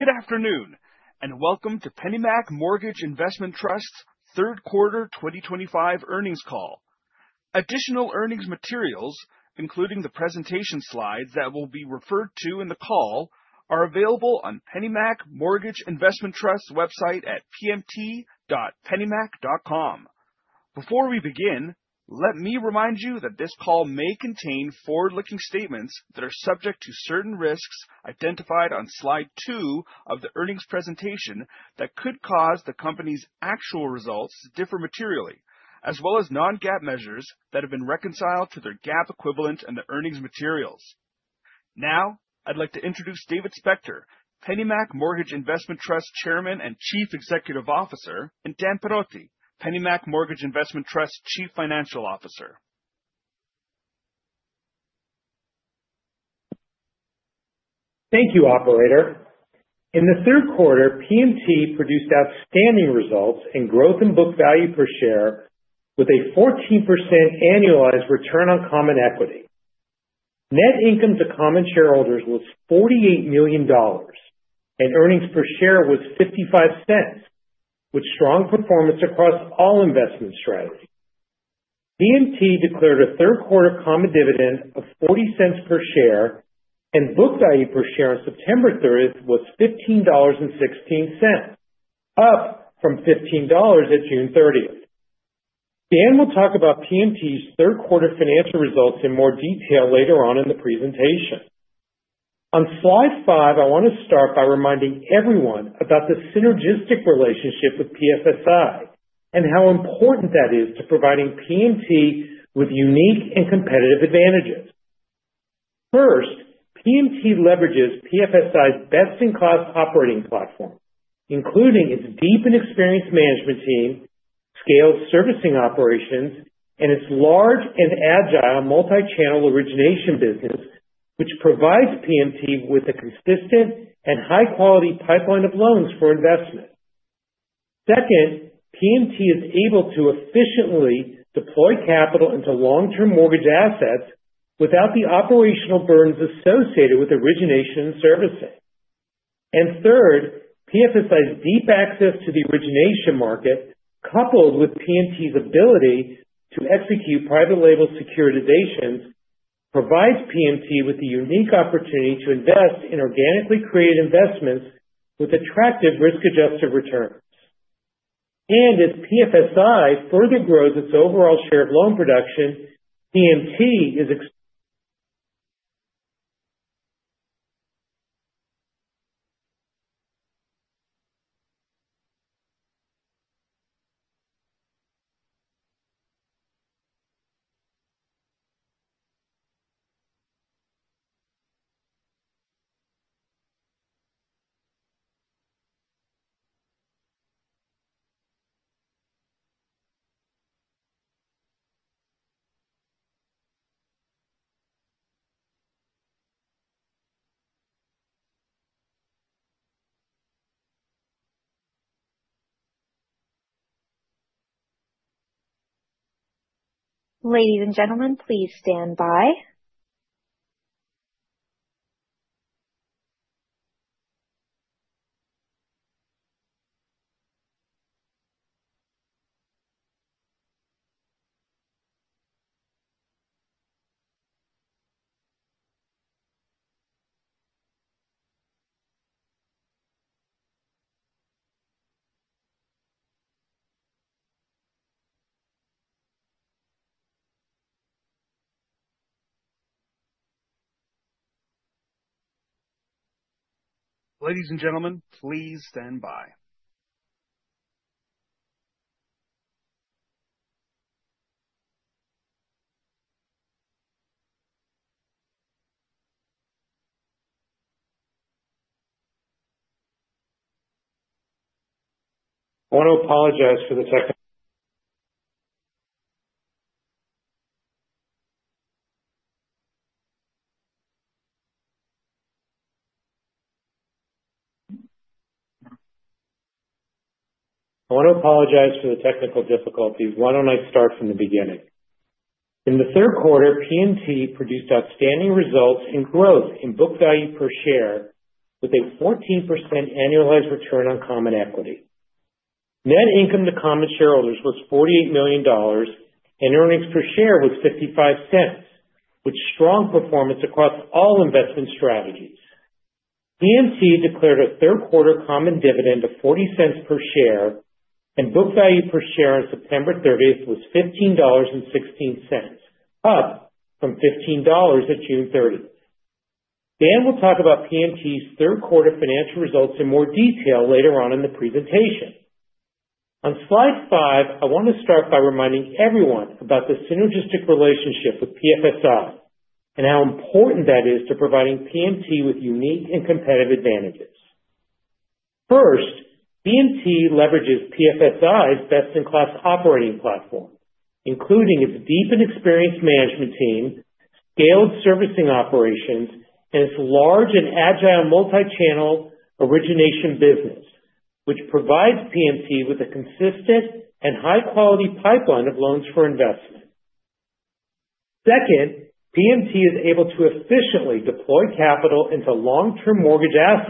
Good afternoon, and welcome to PennyMac Mortgage Investment Trust's third quarter 2025 earnings call. Additional earnings materials, including the presentation slides that will be referred to in the call, are available on PennyMac Mortgage Investment Trust's website at pmt.pennymac.com. Before we begin, let me remind you that this call may contain forward-looking statements that are subject to certain risks identified on slide two of the earnings presentation that could cause the company's actual results to differ materially, as well as non-GAAP measures that have been reconciled to their GAAP equivalent and the earnings materials. Now, I'd like to introduce David Spector, PennyMac Mortgage Investment Trust Chairman and Chief Executive Officer, and Dan Perotti, PennyMac Mortgage Investment Trust Chief Financial Officer. Thank you, Operator. In Q3, PMT produced outstanding results in growth in book value per share, with a 14% annualized return on common equity. Net income to common shareholders was $48 million, and earnings per share was $0.55, with strong performance across all investment strategies. PMT declared a Q3 common dividend of $0.40 per share, and book value per share on September 30 was $15.16, up from $15 at June 30. Dan will talk about PMT's Q3 financial results in more detail later on in the presentation. On slide five, I want to start by reminding everyone about the synergistic relationship with PFSI and how important that is to providing PMT with unique and competitive advantages. First, PMT leverages PFSI's best-in-class operating platform, including its deep and experienced management team, scaled servicing operations, and its large and agile multi-channel origination business, which provides PMT with a consistent and high-quality pipeline of loans for investment. Second, PMT is able to efficiently deploy capital into long-term mortgage assets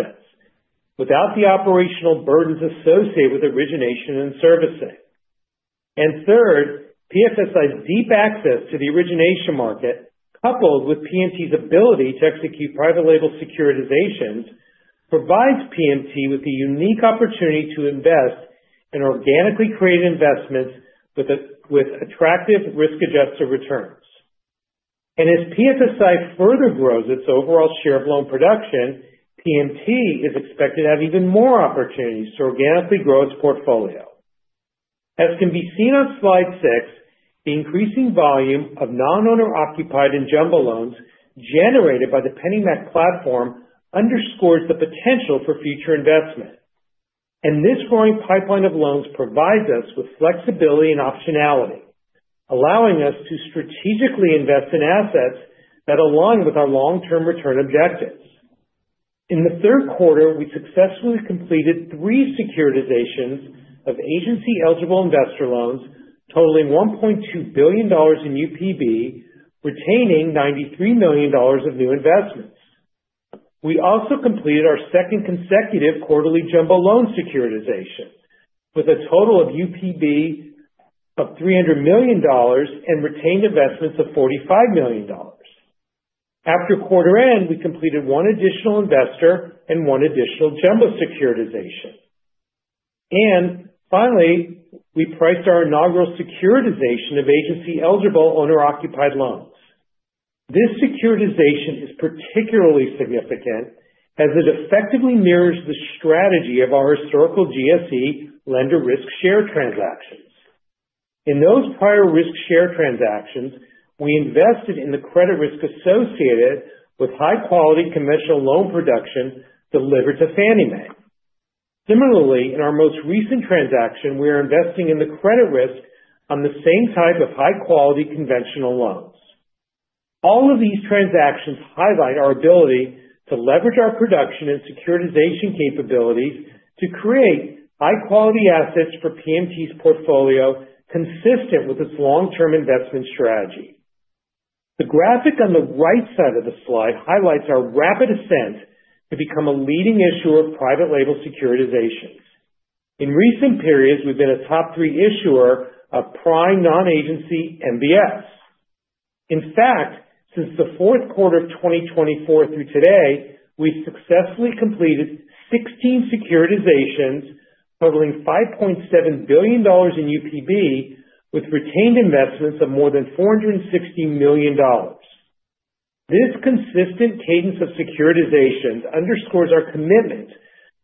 PMT is expected to have even more opportunities to organically grow its portfolio. As can be seen on slide six, the increasing volume of non-owner-occupied and jumbo loans generated by the PennyMac platform underscores the potential for future investment. And this growing pipeline of loans provides us with flexibility and optionality, allowing us to strategically invest in assets that align with our long-term return objectives. In Q3, we successfully completed three securitizations of agency-eligible investor loans, totaling $1.2 billion in UPB, retaining $93 million of new investments. We also completed our second consecutive quarterly jumbo loan securitization, with a total of UPB of $300 million and retained investments of $45 million. After Q3, we completed one additional investor and one additional jumbo securitization. And finally, we priced our inaugural securitization of agency-eligible owner-occupied loans. This securitization is particularly significant as it effectively mirrors the strategy of our historical GSE lender risk-share transactions. In those prior risk-share transactions, we invested in the credit risk associated with high-quality conventional loan production delivered to Fannie Mae. Similarly, in our most recent transaction, we are investing in the credit risk on the same type of high-quality conventional loans. All of these transactions highlight our ability to leverage our production and securitization capabilities to create high-quality assets for PMT's portfolio, consistent with its long-term investment strategy. The graphic on the right side of the slide highlights our rapid ascent to become a leading issuer of private label securitizations. In recent periods, we've been a top-three issuer of prime non-agency MBS. In fact, since Q4 2024 through today, we've successfully completed 16 securitizations, totaling $5.7 billion in UPB, with retained investments of more than $460 million. This consistent cadence of securitizations underscores our commitment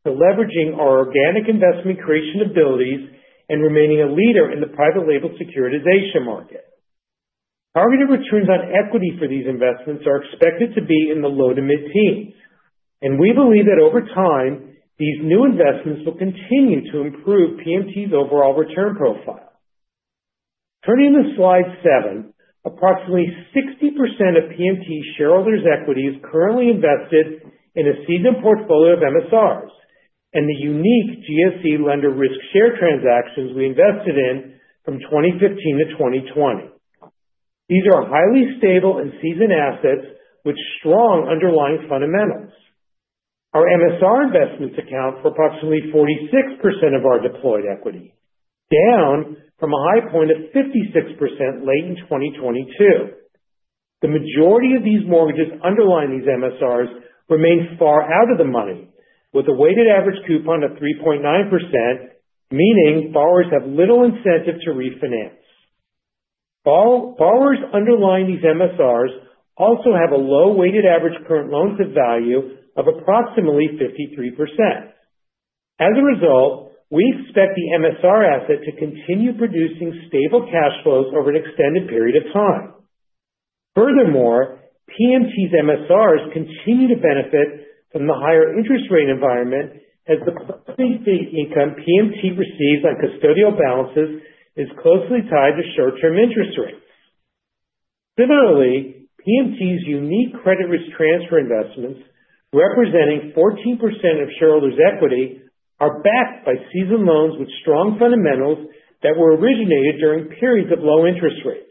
to leveraging our organic investment creation abilities and remaining a leader in the private label securitization market. Targeted returns on equity for these investments are expected to be in the low to mid-teens, and we believe that over time, these new investments will continue to improve PMT's overall return profile. Turning to slide seven, approximately 60% of PMT's shareholders' equity is currently invested in a seasoned portfolio of MSRs and the unique GSE lender risk-share transactions we invested in from 2015 to 2020. These are highly stable and seasoned assets with strong underlying fundamentals. Our MSR investments account for approximately 46% of our deployed equity, down from a high point of 56% late in 2022. The majority of these mortgages underlying these MSRs remain far out of the money, with a weighted average coupon of 3.9%, meaning borrowers have little incentive to refinance. Borrowers underlying these MSRs also have a low weighted average current loan-to-value of approximately 53%. As a result, we expect the MSR asset to continue producing stable cash flows over an extended period of time. Furthermore, PMT's MSRs continue to benefit from the higher interest rate environment, as the plus 3% income PMT receives on custodial balances is closely tied to short-term interest rates. Similarly, PMT's unique credit risk transfer investments, representing 14% of shareholders' equity, are backed by seasoned loans with strong fundamentals that were originated during periods of low interest rates.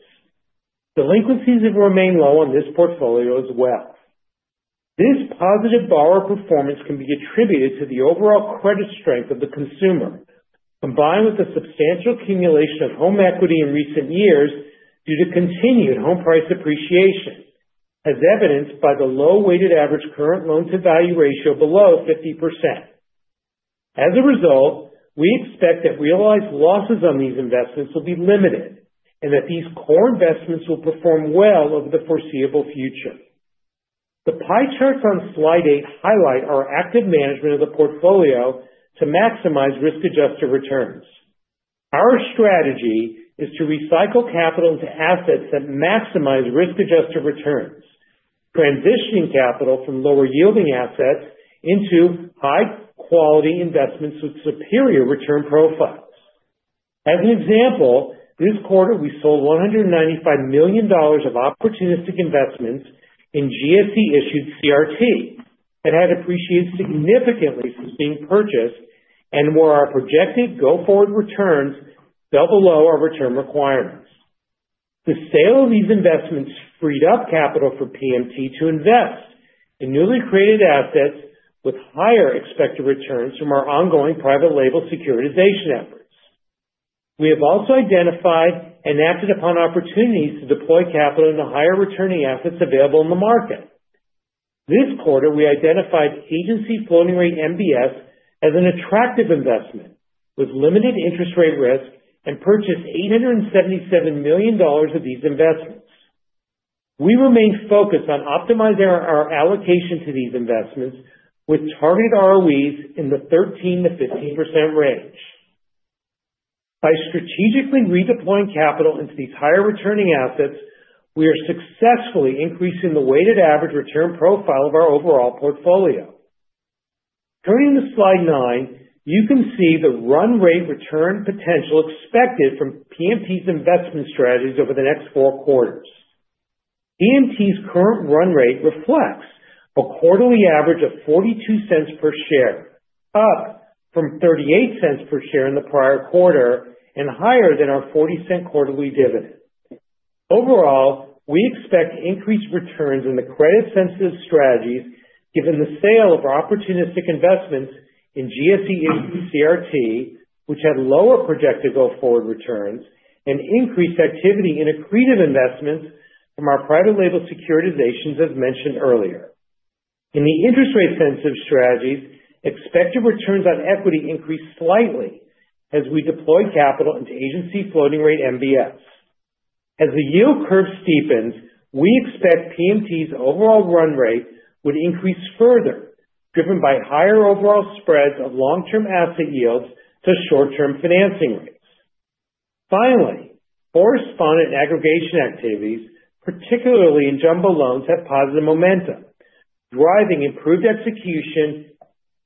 Delinquencies have remained low on this portfolio as well. This positive borrower performance can be attributed to the overall credit strength of the consumer, combined with the substantial accumulation of home equity in recent years due to continued home price appreciation, as evidenced by the low weighted average current loan-to-value ratio below 50%. As a result, we expect that realized losses on these investments will be limited and that these core investments will perform well over the foreseeable future. The pie charts on slide eight highlight our active management of the portfolio to maximize risk-adjusted returns. Our strategy is to recycle capital into assets that maximize risk-adjusted returns, transitioning capital from lower-yielding assets into high-quality investments with superior return profiles. As an example, this quarter, we sold $195 million of opportunistic investments in GSE-issued CRT that had appreciated significantly since being purchased and where our projected go-forward returns fell below our return requirements. The sale of these investments freed up capital for PMT to invest in newly created assets with higher expected returns from our ongoing private label securitization efforts. We have also identified and acted upon opportunities to deploy capital into higher-returning assets available in the market. This quarter, we identified agency floating-rate MBS as an attractive investment with limited interest rate risk and purchased $877 million of these investments. We remain focused on optimizing our allocation to these investments with targeted ROEs in the 13%-15% range. By strategically redeploying capital into these higher-returning assets, we are successfully increasing the weighted average return profile of our overall portfolio. Turning to slide nine, you can see the run-rate return potential expected from PMT's investment strategies over the next four quarters. PMT's current run-rate reflects a quarterly average of $0.42 per share, up from $0.38 per share in the prior quarter and higher than our $0.40 quarterly dividend. Overall, we expect increased returns in the credit-sensitive strategies given the sale of opportunistic investments in GSE-issued CRT, which had lower projected go-forward returns, and increased activity in accretive investments from our private label securitizations as mentioned earlier. In the interest rate-sensitive strategies, expected returns on equity increased slightly as we deployed capital into agency floating-rate MBS. As the yield curve steepens, we expect PMT's overall run-rate would increase further, driven by higher overall spreads of long-term asset yields to short-term financing rates. Finally, correspondent aggregation activities, particularly in jumbo loans, have positive momentum, driving improved execution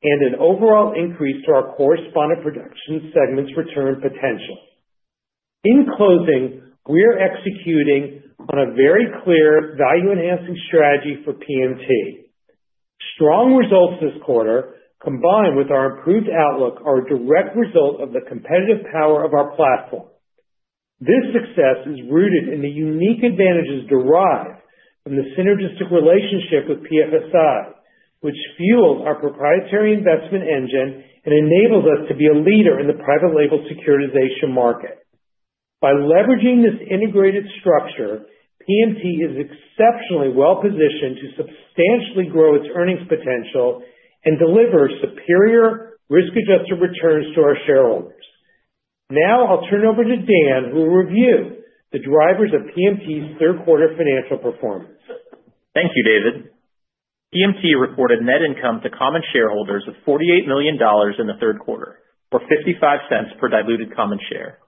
and an overall increase to our correspondent production segment's return potential. In closing, we are executing on a very clear value-enhancing strategy for PMT. Strong results this quarter, combined with our improved outlook, are a direct result of the competitive power of our platform. This success is rooted in the unique advantages derived from the synergistic relationship with PFSI, which fuels our proprietary investment engine and enables us to be a leader in the private label securitization market. By leveraging this integrated structure, PMT is exceptionally well-positioned to substantially grow its earnings potential and deliver superior risk-adjusted returns to our shareholders. Now I'll turn it over to Dan, who will review the drivers of PMT's third quarter financial performance. Thank you, David. PMT reported net income to common shareholders of $48 million in Q3, or $0.55 per diluted common share.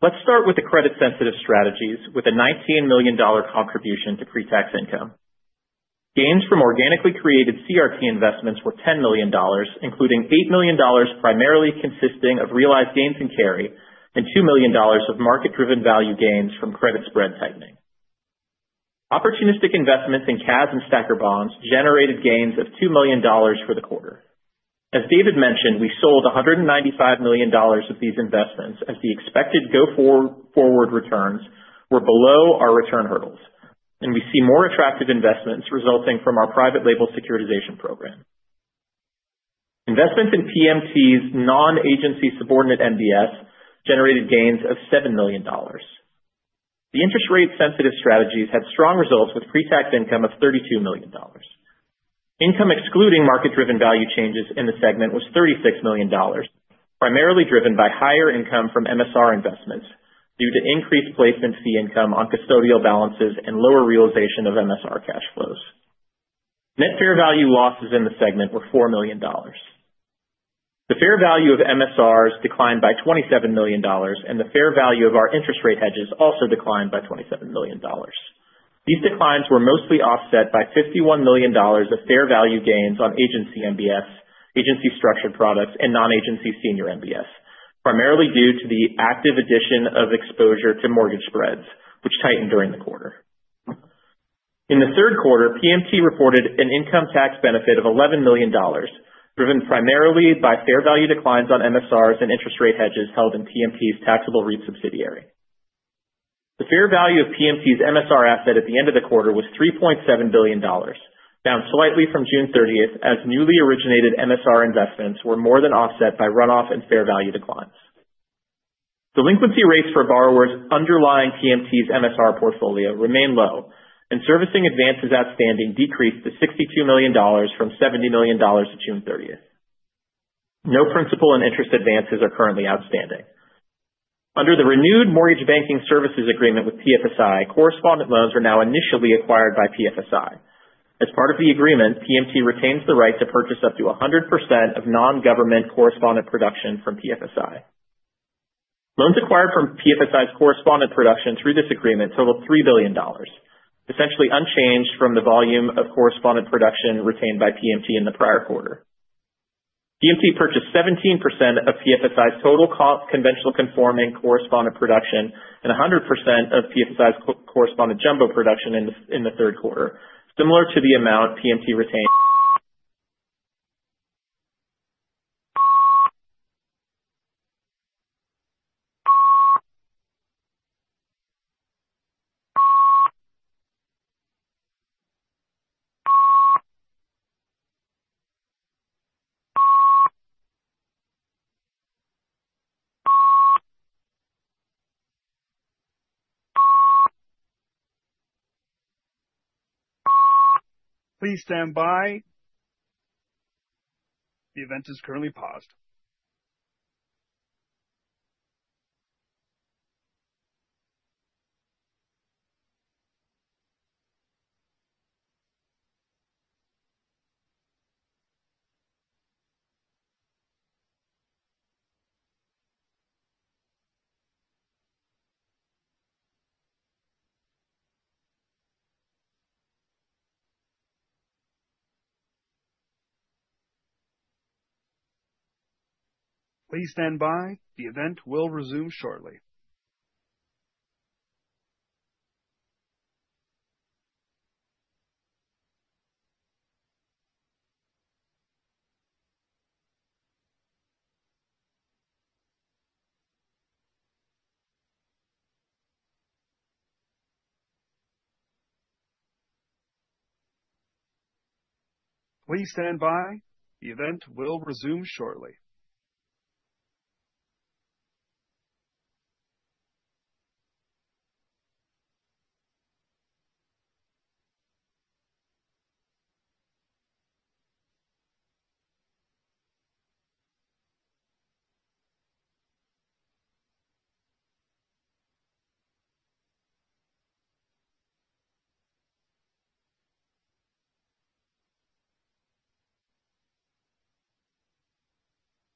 Let's start with the credit-sensitive strategies, with a $19 million contribution to pre-tax income. Gains from organically created CRT investments were $10 million, including $8 million primarily consisting of realized gains and carry and $2 million of market-driven value gains from credit spread tightening. Opportunistic investments in CAS and STACR bonds generated gains of $2 million for the quarter. As David mentioned, we sold $195 million of these investments as the expected go-forward returns were below our return hurdles, and we see more attractive investments resulting from our private label securitization program. Investments in PMT's non-agency subordinate MBS generated gains of $7 million. The interest rate-sensitive strategies had strong results with pre-tax income of $32 million. Income excluding market-driven value changes in the segment was $36 million, primarily driven by higher income from MSR investments due to increased placement fee income on custodial balances and lower realization of MSR cash flows. Net fair value losses in the segment were $4 million. The fair value of MSRs declined by $27 million, and the fair value of our interest rate hedges also declined by $27 million. These declines were mostly offset by $51 million of fair value gains on agency MBS, agency-structured products, and non-agency senior MBS, primarily due to the active addition of exposure to mortgage spreads, which tightened during the quarter. In Q3, PMT reported an income tax benefit of $11 million, driven primarily by fair value declines on MSRs and interest rate hedges held in PMT's taxable REIT subsidiary. The fair value of PMT's MSR asset at the end of the quarter was $3.7 billion, down slightly from June 30 as newly originated MSR investments were more than offset by run-off and fair value declines. Delinquency rates for borrowers underlying PMT's MSR portfolio remain low, and servicing advances outstanding decreased to $62 million from $70 million to June 30. No principal and interest advances are currently outstanding. Under the renewed mortgage banking services agreement with PFSI, correspondent loans were now initially acquired by PFSI. As part of the agreement, PMT retains the right to purchase up to 100% of non-government correspondent production from PFSI. Loans acquired from PFSI's correspondent production through this agreement total $3 billion, essentially unchanged from the volume of correspondent production retained by PMT in the prior quarter. PMT purchased 17% of PFSI's total conventional-conforming correspondent production and 100% of PFSI's correspondent jumbo production in Q3, similar to the amount PMT retained. Please stand by. The event is currently paused.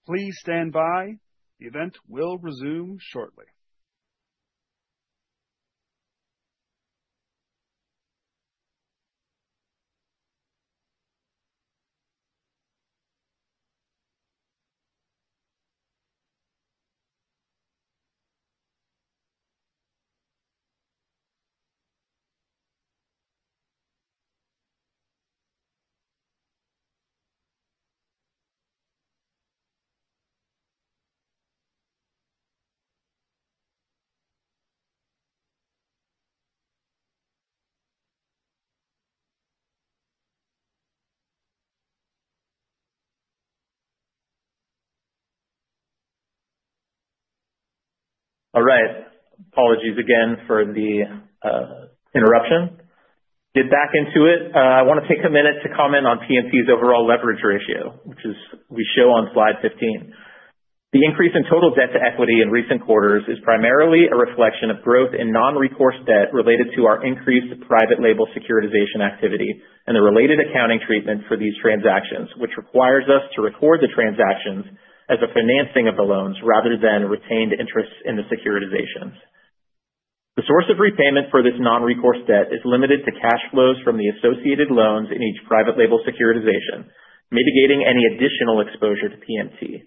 The event will resume shortly. All right. Apologies again for the interruption. Get back into it. I want to take a minute to comment on PMT's overall leverage ratio, which we show on slide 15. The increase in total debt to equity in recent quarters is primarily a reflection of growth in non-recourse debt related to our increased private label securitization activity and the related accounting treatment for these transactions, which requires us to record the transactions as a financing of the loans rather than retained interests in the securitizations. The source of repayment for this non-recourse debt is limited to cash flows from the associated loans in each private label securitization, mitigating any additional exposure to PMT.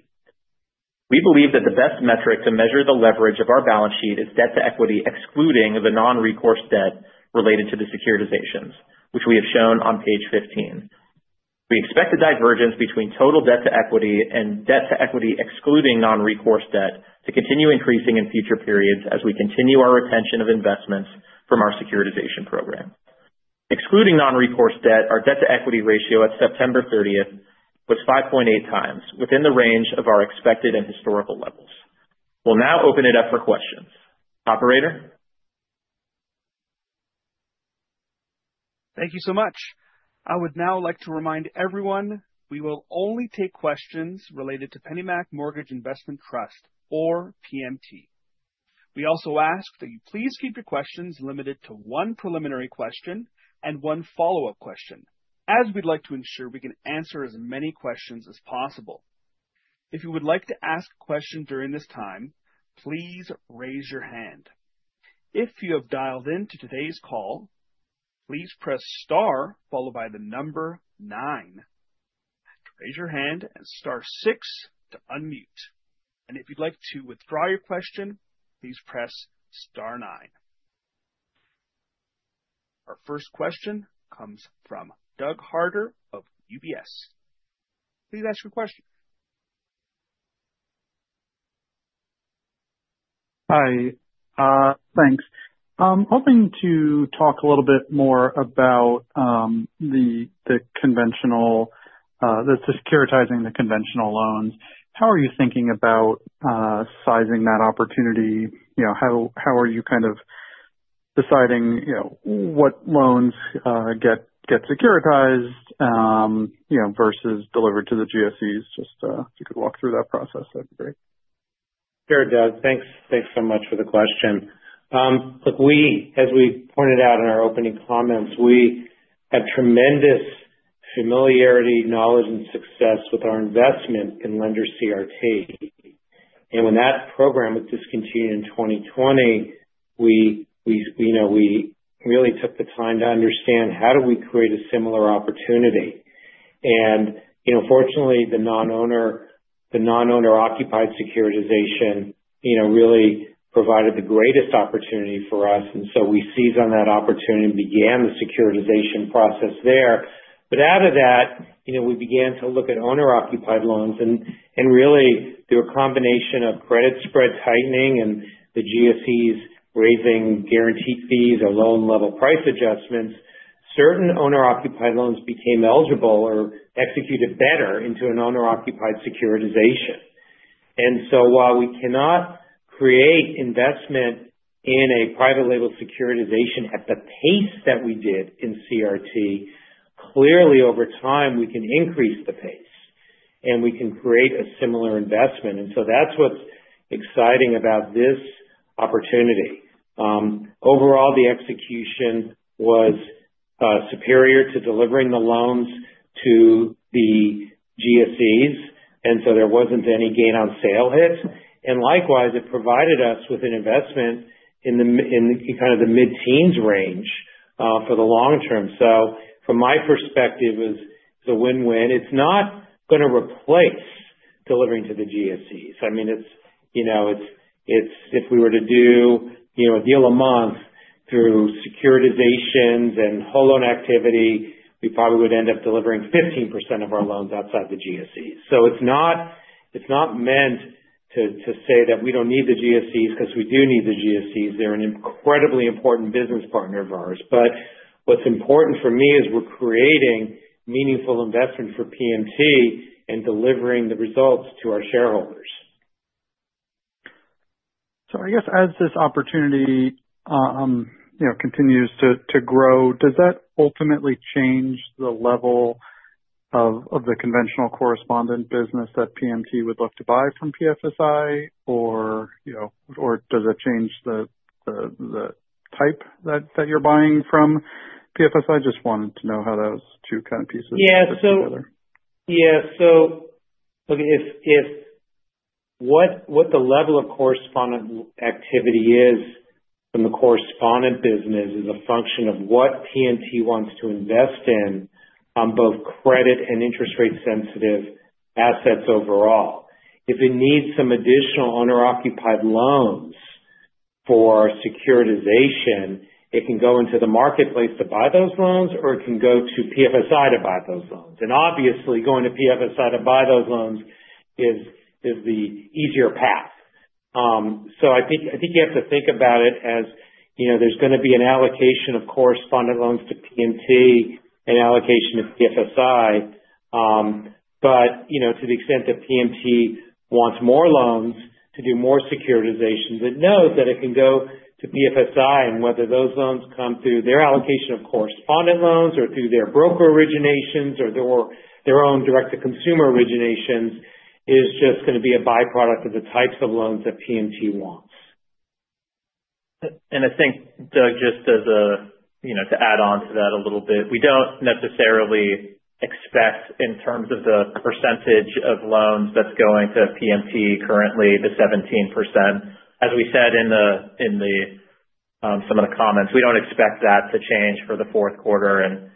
We believe that the best metric to measure the leverage of our balance sheet is debt to equity excluding the non-recourse debt related to the securitizations, which we have shown on page 15. We expect a divergence between total debt to equity and debt to equity excluding non-recourse debt to continue increasing in future periods as we continue our retention of investments from our securitization program. Excluding non-recourse debt, our debt to equity ratio at September 30 was 5.8 times, within the range of our expected and historical levels. We'll now open it up for questions. Operator? Thank you so much. I would now like to remind everyone we will only take questions related to PennyMac Mortgage Investment Trust or PMT. We also ask that you please keep your questions limited to one preliminary question and one follow-up question, as we'd like to ensure we can answer as many questions as possible. If you would like to ask a question during this time, please raise your hand. If you have dialed into today's call, please press star followed by the number nine to raise your hand and star six to unmute, and if you'd like to withdraw your question, please press star nine. Our first question comes from Doug Harter of UBS. Please ask your question. Hi. Thanks. Hoping to talk a little bit more about the conventional, the securitizing the conventional loans. How are you thinking about sizing that opportunity? How are you kind of deciding what loans get securitized versus delivered to the GSEs? Just if you could walk through that process, that'd be great. Sure, Doug. Thanks so much for the question. As we pointed out in our opening comments, we have tremendous familiarity, knowledge, and success with our investment in lender CRT. And when that program was discontinued in 2020, we really took the time to understand how do we create a similar opportunity. And fortunately, the non-owner-occupied securitization really provided the greatest opportunity for us. And so we seized on that opportunity and began the securitization process there. But out of that, we began to look at owner-occupied loans. And really, through a combination of credit spread tightening and the GSEs raising guaranteed fees or loan-level price adjustments, certain owner-occupied loans became eligible or executed better into an owner-occupied securitization. And so while we cannot create investment in a private label securitization at the pace that we did in CRT, clearly over time we can increase the pace and we can create a similar investment. And so that's what's exciting about this opportunity. Overall, the execution was superior to delivering the loans to the GSEs, and so there wasn't any gain-on-sale hit. And likewise, it provided us with an investment in kind of the mid-teens range for the long term. So from my perspective, it was a win-win. It's not going to replace delivering to the GSEs. I mean, if we were to do a deal a month through securitizations and whole loan activity, we probably would end up delivering 15% of our loans outside the GSEs. So it's not meant to say that we don't need the GSEs because we do need the GSEs. They're an incredibly important business partner of ours. But what's important for me is we're creating meaningful investment for PMT and delivering the results to our shareholders. So I guess as this opportunity continues to grow, does that ultimately change the level of the conventional correspondent business that PMT would look to buy from PFSI, or does it change the type that you're buying from PFSI? Just wanted to know how those two kind of pieces fit together. Yeah. Yeah. So look, what the level of correspondent activity is from the correspondent business is a function of what PMT wants to invest in on both credit and interest rate-sensitive assets overall. If it needs some additional owner-occupied loans for securitization, it can go into the marketplace to buy those loans, or it can go to PFSI to buy those loans. And obviously, going to PFSI to buy those loans is the easier path. So I think you have to think about it as there's going to be an allocation of correspondent loans to PMT, an allocation to PFSI. But to the extent that PMT wants more loans to do more securitization, it knows that it can go to PFSI. And whether those loans come through their allocation of correspondent loans or through their broker originations or their own direct-to-consumer originations is just going to be a byproduct of the types of loans that PMT wants. And I think, Doug, just to add on to that a little bit, we don't necessarily expect in terms of the percentage of loans that's going to PMT currently, the 17%. As we said in some of the comments, we don't expect that to change for the fourth quarter. And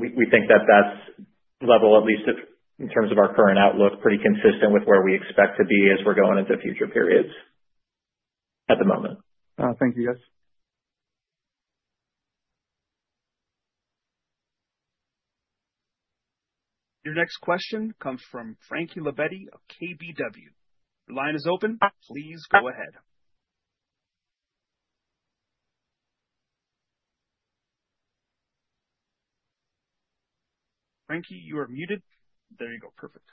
we think that that's level, at least in terms of our current outlook, pretty consistent with where we expect to be as we're going into future periods at the moment. Thank you, guys. Your next question comes from Frankie Labetti of KBW. The line is open. Please go ahead. Frankie, you are muted. There you go. Perfect.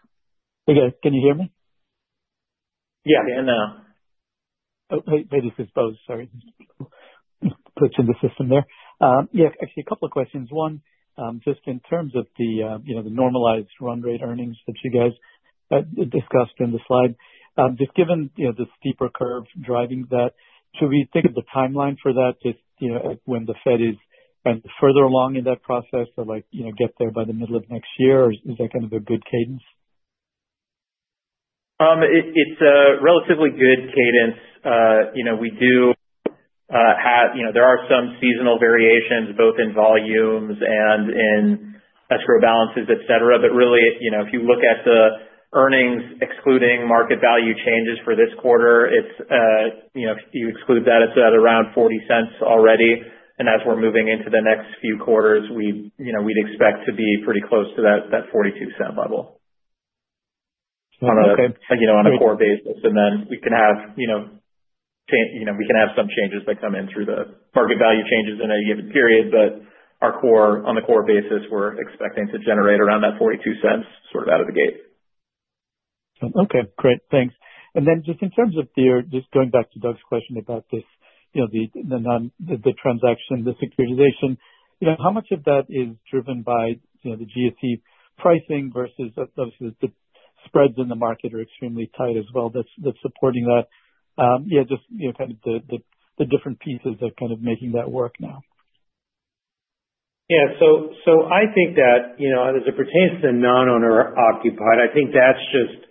Hey, guys. Can you hear me? Yeah. I can now. Oh, hey, this is Bose. Sorry. Puts in the system there. Yeah. Actually, a couple of questions. One, just in terms of the normalized run rate earnings that you guys discussed in the slide, just given the steeper curve driving that, should we think of the timeline for that when the Fed is further along in that process to get there by the middle of next year? Or is that kind of a good cadence? It's a relatively good cadence. We do have. There are some seasonal variations both in volumes and in escrow balances, etc. But really, if you look at the earnings excluding market value changes for this quarter, if you exclude that, it's at around $0.40 already, and as we're moving into the next few quarters, we'd expect to be pretty close to that $0.42 level on a core basis, and then we can have some changes that come in through the market value changes in any given period, but on the core basis, we're expecting to generate around that $0.42 sort of out of the gate. Okay. Great. Thanks. And then just in terms of just going back to Doug's question about the transaction, the securitization, how much of that is driven by the GSE pricing versus the spreads in the market are extremely tight as well that's supporting that? Yeah, just kind of the different pieces that are kind of making that work now. Yeah. So I think that as it pertains to the non-owner-occupied, I think that's just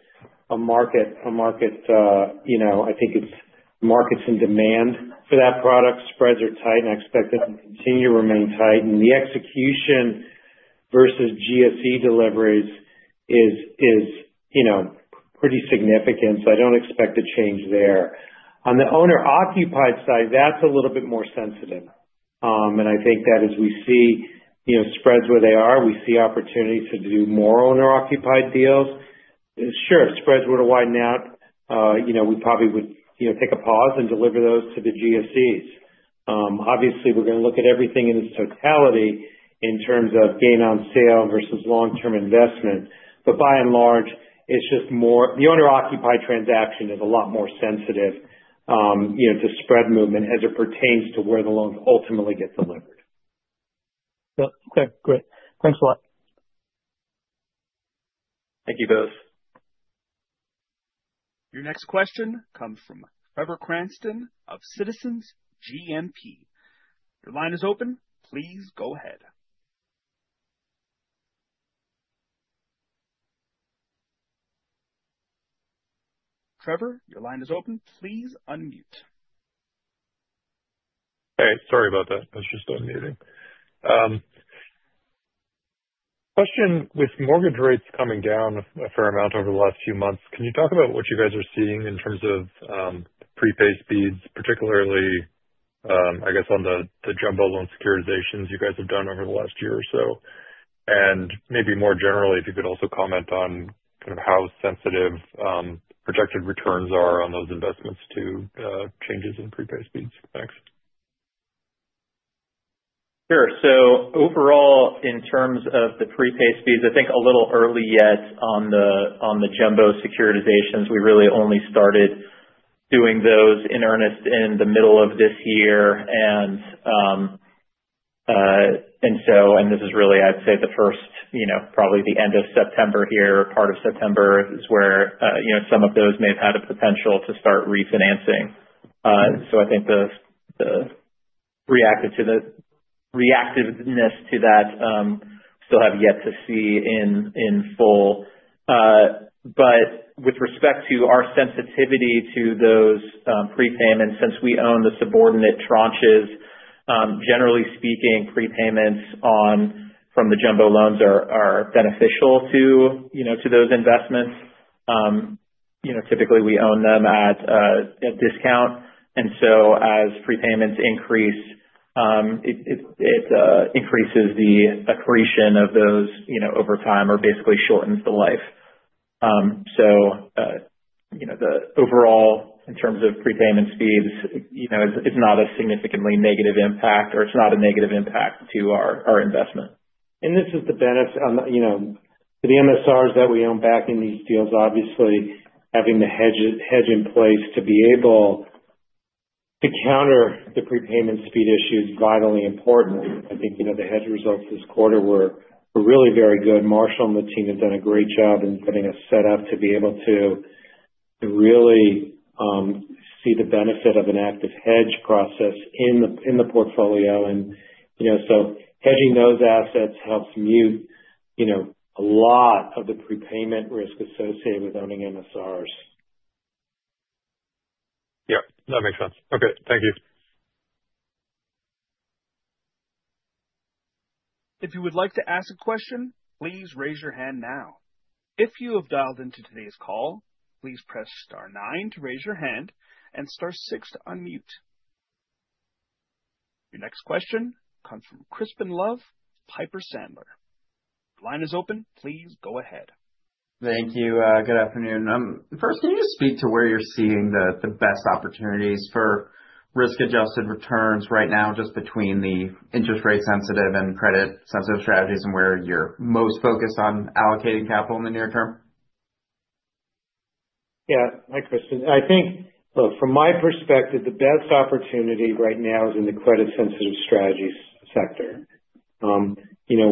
a market. I think it's markets in demand for that product. Spreads are tight, and I expect that to continue to remain tight. And the execution versus GSE deliveries is pretty significant. So I don't expect a change there. On the owner-occupied side, that's a little bit more sensitive. And I think that as we see spreads where they are, we see opportunities to do more owner-occupied deals. Sure, spreads were to widen out, we probably would take a pause and deliver those to the GSEs. Obviously, we're going to look at everything in its totality in terms of gain-on-sale versus long-term investment. But by and large, it's just more the owner-occupied transaction is a lot more sensitive to spread movement as it pertains to where the loans ultimately get delivered. Okay. Great. Thanks a lot. Thank you, Bose. Your next question comes from Trevor Cranston of Citizens JMP. Your line is open. Please go ahead. Trevor, your line is open. Please unmute. Hey. Sorry about that. I was just unmuting. Question: with mortgage rates coming down a fair amount over the last few months, can you talk about what you guys are seeing in terms of prepay speeds, particularly, I guess, on the jumbo loan securitizations you guys have done over the last year or so? And maybe more generally, if you could also comment on kind of how sensitive projected returns are on those investments to changes in prepay speeds. Thanks. Sure. So overall, in terms of the prepay speeds, I think a little early yet on the jumbo securitizations. We really only started doing those in earnest in the middle of this year. And this is really, I'd say, the first, probably the end of September here, part of September is where some of those may have had a potential to start refinancing. So I think the reactiveness to that still have yet to see in full. But with respect to our sensitivity to those prepayments, since we own the subordinate tranches, generally speaking, prepayments from the jumbo loans are beneficial to those investments. Typically, we own them at a discount. And so as prepayments increase, it increases the accretion of those over time or basically shortens the life. So the overall, in terms of prepayment speeds, it's not a significantly negative impact, or it's not a negative impact to our investment. And this is the benefit to the MSRs that we own backing these deals, obviously, having the hedge in place to be able to counter the prepayment speed issue is vitally important. I think the hedge results this quarter were really very good. Marshall and the team have done a great job in putting us set up to be able to really see the benefit of an active hedge process in the portfolio. And so hedging those assets helps mute a lot of the prepayment risk associated with owning MSRs. Yep. That makes sense. Okay. Thank you. If you would like to ask a question, please raise your hand now. If you have dialed into today's call, please press star nine to raise your hand and star six to unmute. Your next question comes from Crispin Love, Piper Sandler. The line is open. Please go ahead. Thank you. Good afternoon. First, can you just speak to where you're seeing the best opportunities for risk-adjusted returns right now, just between the interest rate-sensitive and credit-sensitive strategies and where you're most focused on allocating capital in the near term? Yeah. Hi, Crispin. I think, look, from my perspective, the best opportunity right now is in the credit-sensitive strategies sector.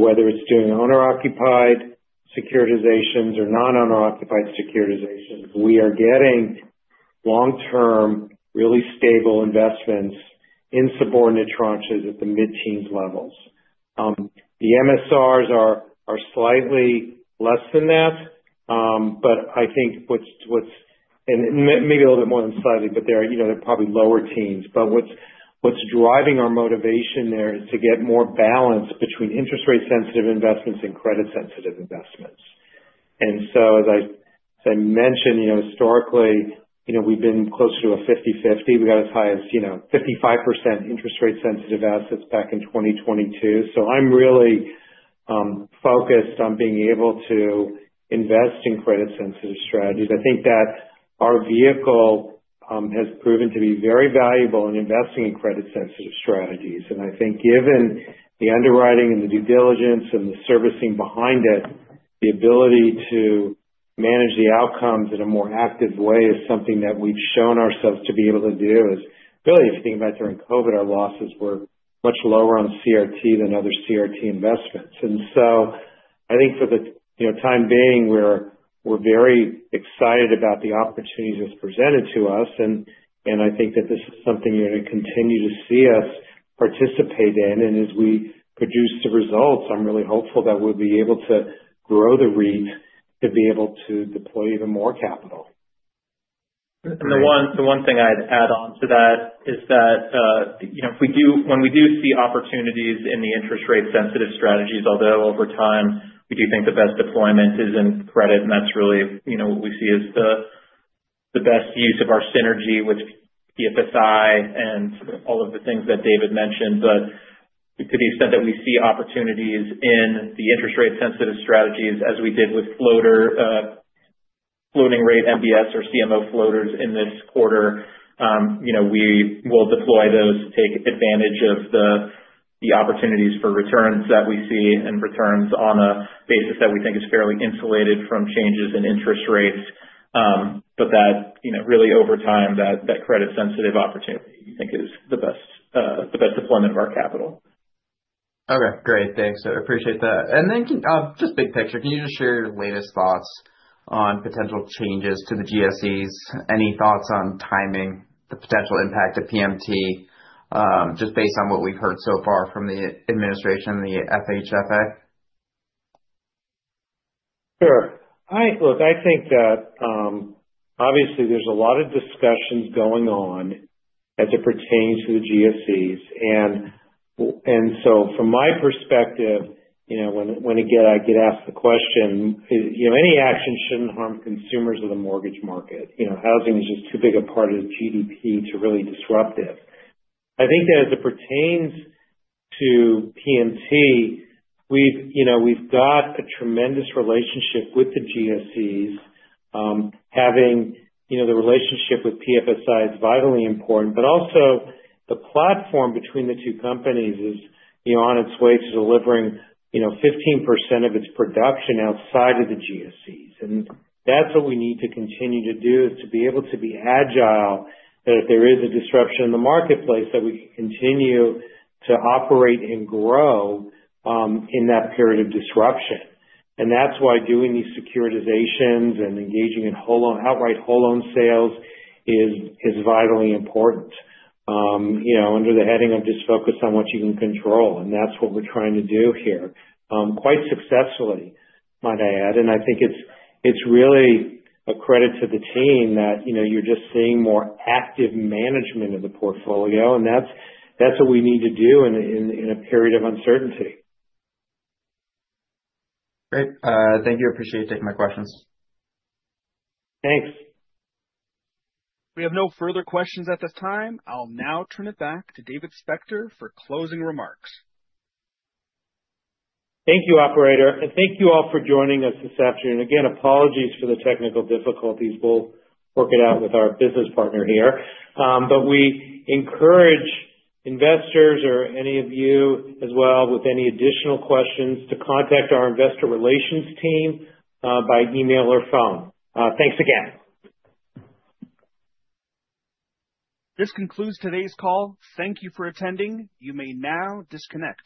Whether it's doing owner-occupied securitizations or non-owner-occupied securitizations, we are getting long-term, really stable investments in subordinate tranches at the mid-teens levels. The MSRs are slightly less than that, but I think what's and maybe a little bit more than slightly, but they're probably lower teens, but what's driving our motivation there is to get more balance between interest rate-sensitive investments and credit-sensitive investments, and so, as I mentioned, historically, we've been closer to a 50/50. We got as high as 55% interest rate-sensitive assets back in 2022, so I'm really focused on being able to invest in credit-sensitive strategies. I think that our vehicle has proven to be very valuable in investing in credit-sensitive strategies. And I think given the underwriting and the due diligence and the servicing behind it, the ability to manage the outcomes in a more active way is something that we've shown ourselves to be able to do. Really, if you think about it, during COVID, our losses were much lower on CRT than other CRT investments. And so I think for the time being, we're very excited about the opportunities that's presented to us. And I think that this is something you're going to continue to see us participate in. And as we produce the results, I'm really hopeful that we'll be able to grow the reach to be able to deploy even more capital. And the one thing I'd add on to that is that when we do see opportunities in the interest rate-sensitive strategies, although over time, we do think the best deployment is in credit, and that's really what we see as the best use of our synergy with PFSI and all of the things that David mentioned. But to the extent that we see opportunities in the interest rate-sensitive strategies, as we did with floating rate MBS or CMO floaters in this quarter, we will deploy those to take advantage of the opportunities for returns that we see and returns on a basis that we think is fairly insulated from changes in interest rates. But that really, over time, that credit-sensitive opportunity we think is the best deployment of our capital. Okay. Great. Thanks. I appreciate that. And then just big picture, can you just share your latest thoughts on potential changes to the GSEs? Any thoughts on timing, the potential impact of PMT, just based on what we've heard so far from the administration and the FHFA? Sure. Look, I think that obviously, there's a lot of discussions going on as it pertains to the GSEs, and so from my perspective, when again I get asked the question, any action shouldn't harm consumers of the mortgage market. Housing is just too big a part of the GDP to really disrupt it. I think that as it pertains to PMT, we've got a tremendous relationship with the GSEs. Having the relationship with PFSI is vitally important, but also, the platform between the two companies is on its way to delivering 15% of its production outside of the GSEs, and that's what we need to continue to do is to be able to be agile, that if there is a disruption in the marketplace, that we can continue to operate and grow in that period of disruption. And that's why doing these securitizations and engaging in outright whole loan sales is vitally important. Under the heading of just focus on what you can control. And that's what we're trying to do here quite successfully, might I add. And I think it's really a credit to the team that you're just seeing more active management of the portfolio. And that's what we need to do in a period of uncertainty. Great. Thank you. Appreciate you taking my questions. Thanks. We have no further questions at this time. I'll now turn it back to David Spector for closing remarks. Thank you, Operator, and thank you all for joining us this afternoon. Again, apologies for the technical difficulties. We'll work it out with our business partner here, but we encourage investors or any of you as well with any additional questions to contact our investor relations team by email or phone. Thanks again. This concludes today's call. Thank you for attending. You may now disconnect.